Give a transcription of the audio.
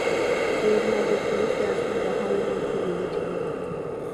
ئېرىمەيدۇ تومۇز كەلسىمۇ، باھارنى ئۇ كۆرمىگەچ قېنىپ.